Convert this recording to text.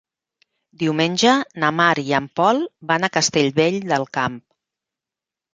Diumenge na Mar i en Pol van a Castellvell del Camp.